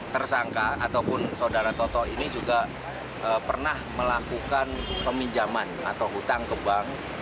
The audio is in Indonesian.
tersangka ataupun saudara toto ini juga pernah melakukan peminjaman atau utang kebang